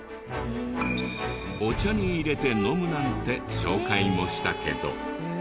お茶に入れて飲むなんて紹介もしたけど。